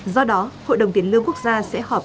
do đó hội đồng tiến lương quốc gia sẽ họp